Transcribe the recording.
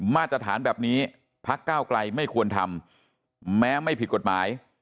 มาตรฐานแบบนี้พักก้าวไกลไม่ควรทำแม้ไม่ผิดกฎหมาย